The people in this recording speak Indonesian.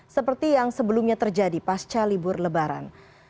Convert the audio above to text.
seperti yang sebelumnya terjadi pasca libur lebaran